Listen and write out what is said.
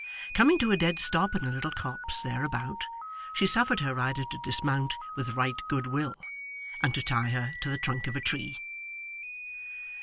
Coming to a dead stop in a little copse thereabout, she suffered her rider to dismount with right goodwill, and to tie her to the trunk of a tree.